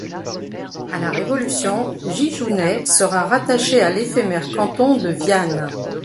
À la Révolution, Gijounet sera rattaché à l’éphémère canton de Viane.